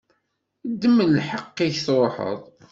Ddem lḥeqq-ik tṛuḥeḍ.